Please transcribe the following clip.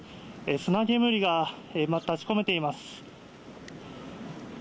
砂煙が立ち込めています。